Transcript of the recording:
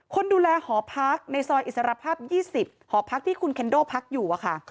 คนดูแลหอพักในซอยอิสรภาพ๒๐หอพักที่คุณเคนโดพักอยู่อะค่ะ